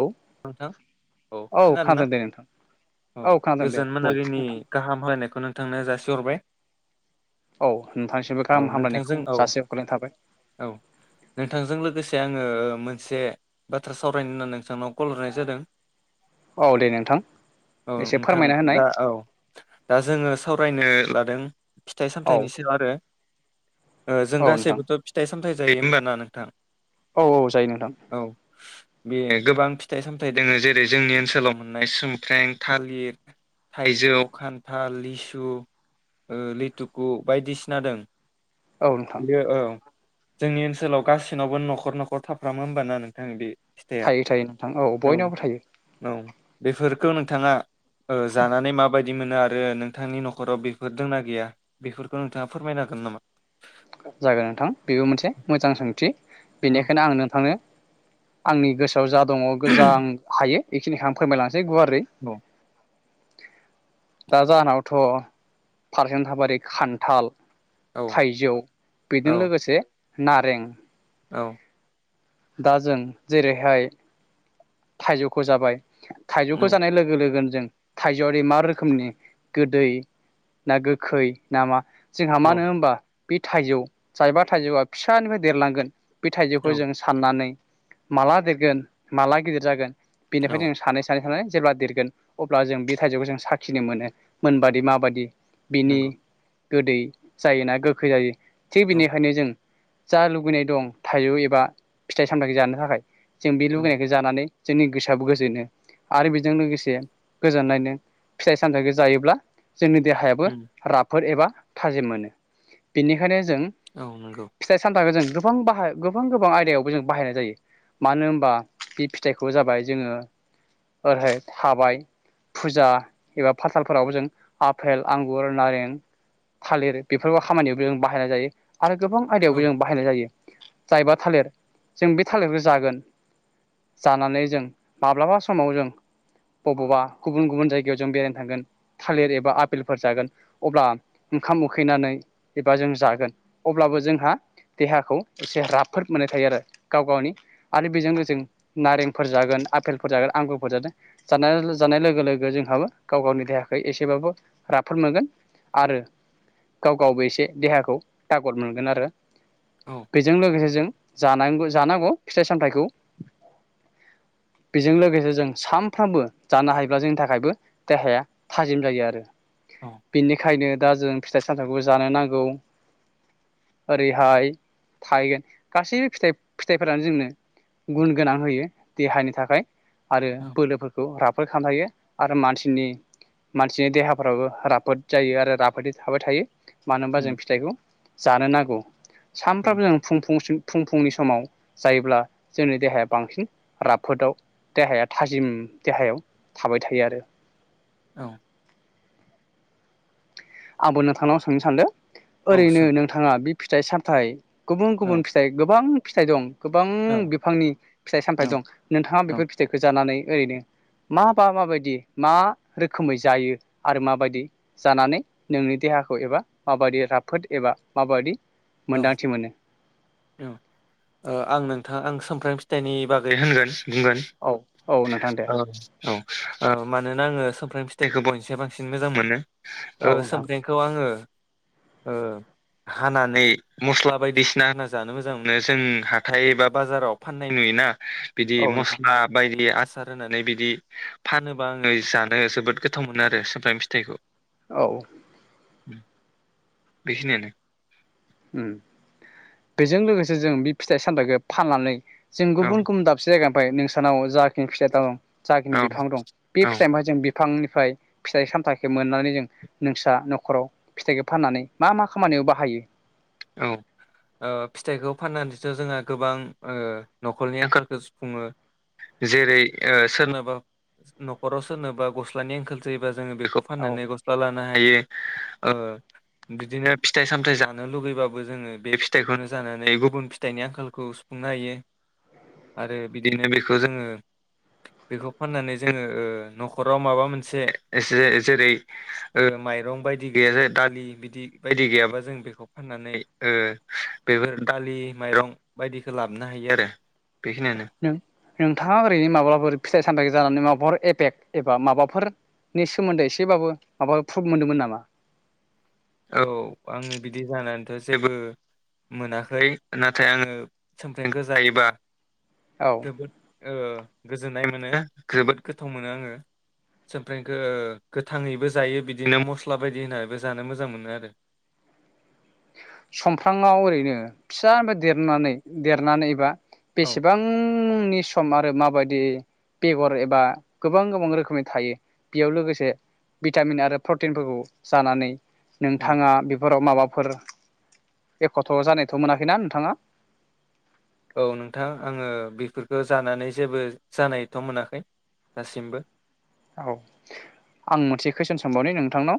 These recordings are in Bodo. औ नोंथां औ खोनादों ना औ खोनादों दे गोजोन बुं मोनाबिलिनि नोंथां गाहाम हामलायनायखौ खौ नोंथांनो जासिहरबाय औ नोंथांनिसिमबो औ गाहाम नोंथांजों हामलायनायखौ औ जासि हरग्रनाय थाबाय। औ नोंथांजों लोगोसे आङो मोनसे बाथ्रा सावरायनो होननानै नोंथांनाव कलहरनाय जादों‌ औ दे नोंथां औ एसे नोंथां फोरमायना होनाय दा औ दा औ जोङो सावरायनो लादों फिथाइ औ सामथायाइनिसो आरो ओ जों औ नोंथां गासैबोथ' फिथाइ सा सामथाय जायो होमबा ना नोंथां औ औ जायो नोंथां औ बे गोबां फि थाइ सामथाइ दोङो जेरै जोंनि ओनसोलाव मोननाय सोमख्रें, थालिर, थाइजौ, खान्थाल, लिसु, लिथुकु बायदिसिना दं औ नोंथां बियो औ जोंनि ओनसोलाव गासिनावबो न'खर न'खर थाफ्रामो होमबाना नोंथां बे फिथाइया थायो थायो नोंथां औ बयनावबो थायो थाङा ओ जानानै माबायदि मोनो आरो आरो नोंथांनि न'खराव बेफोर दंना गैया बेफोरखौ नोंथाङा फोरमायनो हागोन नामा जागोन नोंथां बेबो मोनसे मोजां सोंथि औ बेनिखायनो आं नोंथांनो आंनि गोसोआव औव जा दङ गोजां हायो बेखिनिखौ आं फोरमायलांसै जै गुवारै औ दा जाहोनावथ' फारसे थाबारि खान्थाल औ थाइजौ औ बेजों लोगोसे नारें औ। दा जों जेरैहाय थाइजौखौ जाबाय थायजौखौ औ जानाय लोगो लोगोन जों थाइजौआरि मा रोखोमनि गोदै ना गोखै ना मा जोंहा औ मानो होमबा बे थाइजौ जायबा थाइजौआ फिसानिफ्राय देरलांगोन बे थाइजौखौ औ जों साननानै माला देरगोन माला गिदिर जागोन बेनिफाय औ दोङो सानै सानै सानै जेब्ला देरगोन अब्ला जों बे थाइजौखौ जों साखिनो मोनो मोनबादि माबादि बिनि नंगौ गोदै जायोना गोखै जायो। थिग औ बेनिखायनो जों जा लुुगैनाय दं थाइजौ एबा फिथाइ सामथाइ जानो थाखाय। जों बे औ लुगैनायखो जानानै जोंनि गोसोआबो गोजोनो आरो बेजों लोगोसे गोजोननायनो फिथाइ सामथाइखो जायोब्ला जोंनि देहायाबो उम राफोद एबा थाजिम मोनो बेनिखायनो जों औ नंगौ फिथाइ सामथाखौ जों गोबां बाहाय गोबां गोबां आयदायावबो जों बाहायनाय जायो मानो होमबा बे थेखौ जाबाय जोङो ओरैहाय थाबाय फुजा एबा फाथालफोराव जों आफेल आंगुर नारें थालिर बेफोरबो खामानियावबो जों बाहायनाय जायो आरो गोबां औ आयदायावबो जों बाहायनाय जायो। जायबा थालिर जों बे थालिरखौ जागोन जानानै जों माब्लाबा समाव जों बबावबा गुबुन गुबुन जायगायाव जों बेरायनो थांगोन थालिर एबा आपेलफोर जागोन अब्ला ओंखाम उखैनानै एबा जों जागोन अब्लाबो जोंहा देहाखौ एसे राफोद मोननाय थायो आरो गाव गावनि आरो बिजों लोगोसे जों नारेंफोर जागोन आपेलफोर जागोन आंगुरफोर जादों जानाय जानाय लोगो लोगो जोंहाबो गाव गावनि देहाखौ एसेबाबो राफोद मोनगोन आरो गाव गावबो एसे देहाखौ थागर मोनगोन आरो औ बेजों लोगोसे जों जानांगौ जानांगौ फिथाइ सामथाइखौ बेजों लोगोसे जों सामफ्रामबो जानो हायोब्ला जोंनि थाखायबो देहाया थाजिम जायो आरो औ बेनिखायनो दा जों फिथाइ सामथाइफोखौबो जानो नांगौ ओरैहाय थाहैगोन गासैबो फिथाइ फिथाइफोरानो जोंनो गुन गोनां होयो देहानि थाखाय आरो औ बोलोफोरखौ राफोद खामना होयो आरो मानसिनि मानसिनि देहाफ्राबो राफोद जायो आरो राफोदै थाबाय थायो मानो होनबा जों उम फिथाइखौ जानो नांगौ उम सानफ्रामबो जों फुं फुंसिम फुं फुंनि स समाव जायोब्ला जोंनि देहाया बांसिन राफोदाव देहाया थाजिम देहायाव थाबाय थायो आरो। औ आबो नोथां नाव सोंनो सानदो औ ओरैनो सों नोंथाङा बे फिथाइ साम फिथाइ गुबुन औ गुबुन फिथाइ गोबां फिथाइ दं गोबां औ बिफांनि फिथाइ सामथायाइ औ दं नोंथाङा औ बेफोर फिथाइखौ जानानै ओरैनो माबा माबायदि मा रोखोमै जायो आरो माबायदि जानानै नोंनि देहाखौ एबा माबायदि राफोद माबादि मोन्दांथि मोनो? औ आं [unintelligible] फिथाइनि बागै होनगोन बुंगोन औ औ नोंथां दे औ औ मानोना आङो सुमफ्राम फिथाइखौ बयनसै बांसिन मोजां मोनो। ओ औ नोंथां सोमफ्रेंखौ आङो ओ हानानै मस्ला बायदिसिना होनांगौ जानो मोजां मोनो जों हाथाय बा बाजाराव फाननाय नुयोना। बिदि औ नोंथां मस्ला बायदि हासार होनानै बिदि फानोबा आङो जानो जोबोद गोथाव मोनो आरो सुमफ्राम फिथाइखौ औ बेखिनियानो ओम बेजों लोगोसे जों बे फिथाइ सामथाइखौ फाननानै जों औ गुबुन गुबुन दाबसे जाग ओमफ्राय नोंसानाव जाखिनि फिथाइ दं जाखिनि औ बिफां दं बे औ फिथाइ महाय जों बिफांनि फाइ फिथाइ सामथाइखौ मोननानै जों नोंस्रा न'खराव फिथाइखौ फाननानै मा मा खामानियाव बाहायो? औ ओ फिथाइखौ फाननानैथ' जोंहा गोबां ओ न'खरनि आंखालखौ सुफुङो जेरै सोरनाबा नखराव सोरनाबा गस्लानि आंखालाव जोङो बेखौ औ फाननानै गस्ला लानो हायो ओ बिदिनो फिथाइ सामथाय जानो लुुबैयो बाबो जोङो बे फिथाइखौनो जानानै गुबुन फिथाइनि आंखालखौ सुफुंनो हायो। आरो बिदिनो बेखौ जोङो बेखौ फाननानै जोङो ओ न'खराव माबा मोनसे एसे जेरै माइरं बायदि गैया दालि बिदि बायदि गैयाबा जों बेखौ फाननानै बेफोर दालि माइरं बायदिखौ लाबोनो हायो आरो बेखिनियानो नों नोंथाङा ओरैनो माब्लााफोर फिथाइ सामथथाय जानानै माबाफोर ए बेग एबा माबाफोरनि सोमोन्दै एसेबाबो माबा प्रुफ मोनदोंमोन ना मा औ आङो बिदि जानानैथ' जेबो मोनाखै नाथाय आंङो [unintelligible] जायोबा औ जोबोद ओ गोजोन्नाय मोनो जोबोद गोथाव मोनो आङो समफ्र गोथाङैबो। मोजां मोनो आरो सुफ्रांआव ओरैनो फिसाफ्राय देरनानै देरनानैबा औ बेसेबांनि सम आरो माबायदि बेगर एबा गोबां गोबां रोखोमै थायो बियाव लोगोसे भिटामिन आरो प्रटिन फोरखौ जानानै औ नोंथाङा बेफोराव माबा फोर एख'थ' जानायथ' मोनाखैना नोंथाङा। औ नोंथां आङो बेफोरखौ जानानै औ आं मोनसे कुइसन सानबावनि नोंथांनाव।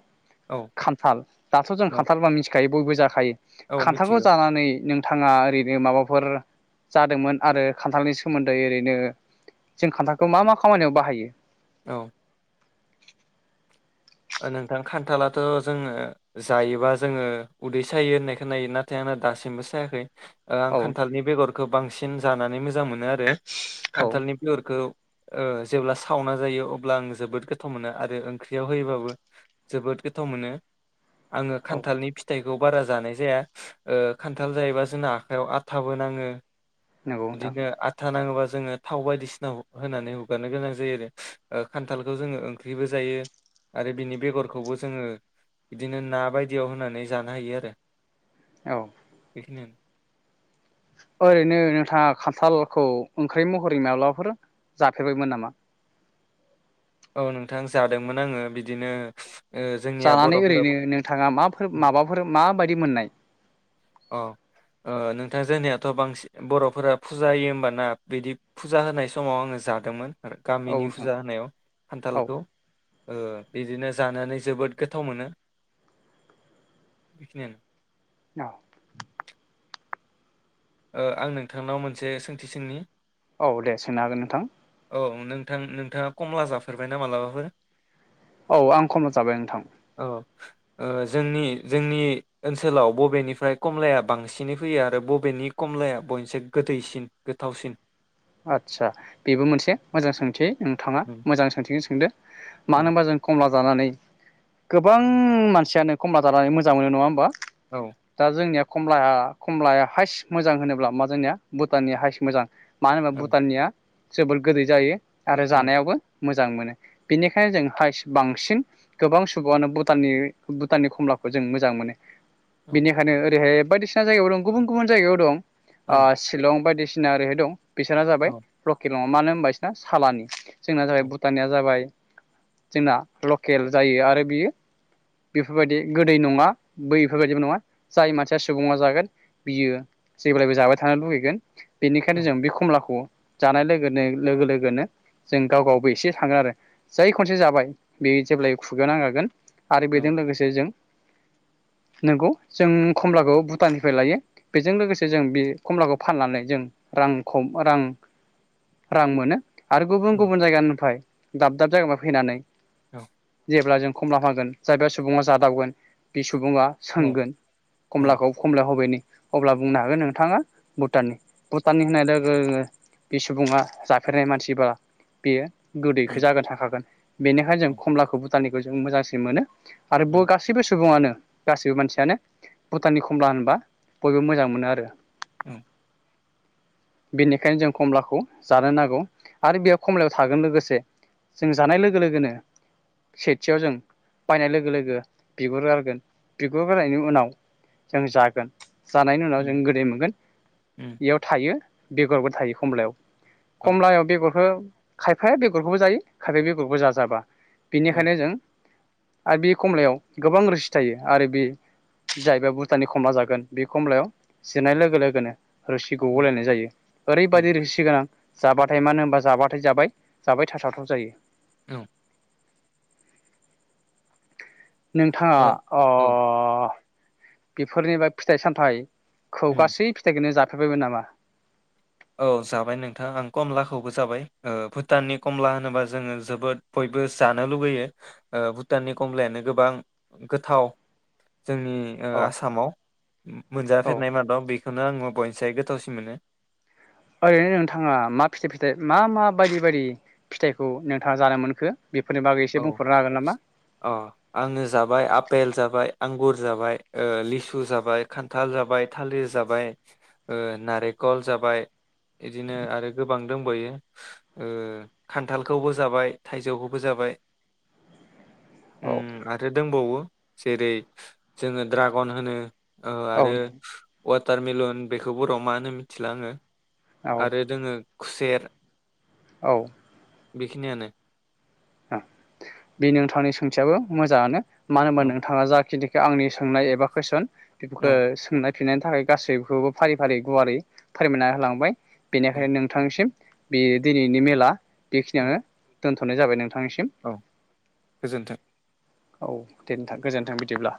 औ खान्थाल दाथ' जों औ खान्थाला बयबो जाखायो। औ खान्थालखौ मिथिगौ जानानै नों थाङा ओरैनो माबाफोर जादोंमोन आरो खान्थालनि सोमोन्दै ओरैनो जों खान्थालखौ मा-मा खामानियाव बाहायो औ ओ नोंथां खान्थालाथ' जोङो जायोबा जोङो उदै सायो होननायखौ खोनायो नाथाय आंना दासिमबो सायाखै ओ आं औ खान्थालनि बेगर गोबांसिन जानानै मोजां मोनो आरो औ खान्थालनि बेअरखौ ओ जेब्ला सावना जायो अब्ला आं जोबोद गोथाव मोनो आरो ओंख्रियाव होयोबाबो जोबोद गोथाव मोनो आङो खान्थालनि फिथाइ खौ बारा जानाय जाया ओ खान्थाल जायोबा जोंना आखायाव आथाबो नाङो नंगौ नोंथां बिदिनो आथा नाङोबा जोङो थाव बायदिसिना होनानै हुगारनो गोनां जायो आरो ओ खान्थालखौ जोङो ओंख्रिबो जायो आरो बिनि बेगरखौबो जोङो बिदिनो ना बायदियाव होनानै जानो हायो आरो औ बेखिनि ओरैनो नोंथाङा खान्थालखौ ओंख्रि महरै माब्लाबाफोर जाफेरबायमोन नामा औ नोंथां जादोंमोन आङो बिदिनो ओ जोंनिया जानानै बर'फोरा ओरैनो नोंथाङा माफोर माबाफोर माबायदि मोननाय अ ओ नोंथां जोंनियाथ' बांसि बर'फोरा फुजा होयो होमबाना बिदि फुजा होनाय समाव आङो जादोंमोन औ गामिनि नोंथां फुजा होनायाव औ खान्थालखौ ओ बिदिनो जानानै जोबोद गोथाव मोनो बेखिनियानो आ । ओ आं नोंथांनाव मोनसे सोंथि सोंनि औ दे सोनो हागोन नोंथां औ नोंथां नोंथाङा कमला जाफेरबायना मालाबाफोर? औ आं कमला जाबाय नोंथां औ ओ जोंनि जोंनि ओनसोलाव बबेनिफ्राय कमलाया बांसिनै फैयो आरो बबेनि? कमलाया बयनिसाय गोदैसिन गोथावसिन? आदसा बेबो मोनसे मोजां सोंथि नोंथाङा औ मोजां सोंथिखोनो सोंदो मानो होनबा जों कमला जानानै गोबां मानसियानो कमला जानानै मोजां मोनो नङा होमबा? औ दा जोंनिया कमला कमलाया हाइस मोजां होनोब्ला मा जोंनिया भुटाननि हाइस मोजां मानो होनोबा औ भुटाननिया? जोबोर गोदै जायो आरो औ जानायावबो मोजां मोनो बेनिखायनो जों हाइस बांसिन गोबां सुबुआनो भुटाननि भुटाननि कमलाखौ जों मोजां मोनो औ बिनिखायनो ओरैहाय बायदिसिना जायगायाव दं गुबुन गुबुन जायगायाव दं ओ औ शिलं बायदिसि सिना ओरैहाय दं बिसोरा जाबाय रकेट दङ मानो होनबा बिसना सालानि जोंना जाबाय औ भुटानिया जाबाय जोंना लकेल जायो आरो बियो बेफोरबायदि गोदै नङा बैफोरबायदिबो नङा जाय मानसिया सुबुङा जागोन बियो जेब्लायबो जाबाय थानो लुबैगोन बेनिखायनो जों बेख खौ जानाय लोगोनो लोगो लोगोनो जों गाव गावबो एसे सानगोन आरो जाय खनसे जाबाय बे जेब्लायबो खुगायाव नांखागोन आरो औ बेजों लोगोसे जों नंगौ जों कमलाखौ भुटाननिफ्राय लायो बेजों लोगोसे जों बे खमलाखौ फाननानै जों रां खम बारां रां मोनो आरो गुबुन औ गुबुन जायगानिफ्राय दाब दाब जायगानिफ्राय फैनानै औ जेब्ला जों खमला फानगोन जाग्रा सुबुंआ जादावगोन बि सुबुङा सोंगोन खमलाखौ खमलाया हबेनि अब्ला बुंनो हागोन नोंथाङा भुटाननि भुटाननि होननाय लोग गो बे सुबुङा जाफेरनाय मानसिब्ला बेयो गोदैखो जागोन सानखागोन बेनिखायनो जों खमलाखौ भुटाननिखौ जों मोजांसिन मोनो। आरो बु गासैबो सुबुङानो गासिबो मानसियानो भुटाननि खमला होनबा बयबो मोजां मोनो आरो औ बेनिखायनो जों खमलाखौ जानो नांगौ आरो बेयाव खमलायाव थागोन लोगोसे जों जानाय लोगो लोगोनो सेथियाव जों बायनाय लोगो लोगो बिगुर गारगोन बिगुर गारनायनि उनाव जों जागोन जानायनि उनाव जों गोदै मोनगोन बेयाव थायो। बेगरबो थायो खमलायाव खमलायाव बेगर खो खायफाया बेगरखौबो जायो खायफाया बेगरबो जाजाबा औ बेनिखायनो जों आरो बे खमलायाव गोबां रोसि थायो आरो बे जाहबाय भुटाननि खमला जागोन बे खमलायाव सिरनाय लोगो लोगोनो रोसि औ गबोलायनाय जायो। ओरै औ बादि रोसि गोन जाबाथाय मानो होनबा जाबाथाय जाबाय जाबाय थाथावथाव जायो। औ नोंथाङा ओ अ औ बेफोरनिबाय फिथाइ-सामथाइ खौ उम गासै फिथाइखोनो जा थाबायबो नामा औ जाबाय नोंथां आं कमलाखौबो जाबाय ओ भुटाननि कमला होनोबा जोङो जोबोद बयबो जानो लुुबैयो ओ भुटाननि कमलायानो गोबां गोथाव जोंनि ओ औ आसामाव औ मोनजाफेरनाय मादाव बि बेखोनो आङो बयनिसाय गोथावसिन मोनो। ओरैनो नोंथाङा मा फिथाइ फिथाइ मा मा बायदि बायदि फिथाइखौ नोंथाङा जानो मोनखो बेफोरनि बागै एसे औ बुंफोरनो हागोन नामा? अ आङो जाबाय आपेल जाबाय आंगुर जाबाय ओ लिसु जाबाय खान्थाल जाबाय थालिर जाबाय ओ नारेखल जाबाय इदिनो आरो गोबां दंबैयो ओ खान्थालखौबो जाबाय थाइजौखौबो जाबाय औ उम आरो दंबावो जेरै जोङो ड्रागन होनो औ आरो वाटारमेलन बेखौ बर'आव मा होनो मिथिला आङो औ आरो जोङो खुसेेर औ बेखिनियानो ओं बे नोंथांनि सोंथियाबो मोजाङानो मानो होनबा औ नोंथाङा जाखिनि आंनि सोंनाय एबा कुइसन [unintelligible] औ सोंनाय [unintelligible] थाखाय गासैखौबो फारि फारि गुवारै फोरमायना होलांबाय। औ बेनिखायनो नोंथांसिम बि दिनैनि मेला औ बिखिनियानो दोनथ'नाय जाबाय नों औ गोजोन्थों। औ दे नोथां गोजोनथों बिदिब्ला।